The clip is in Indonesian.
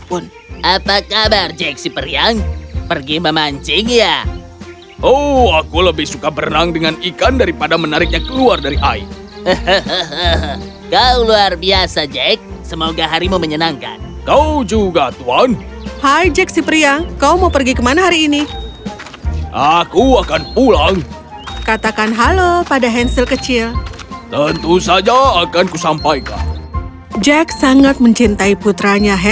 oh aku lebih suka berenang dengan ikan daripada menariknya keluar dari air